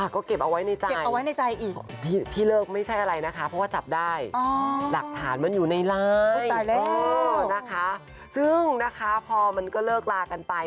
ก็เก็บเอาไว้ในใจเก็บเอาไว้ในใจอีกที่เลิกไม่ใช่อะไรนะคะเพราะว่าจับได้หลักฐานมันอยู่ในไลน์นะคะซึ่งนะคะพอมันก็เลิกลากันไป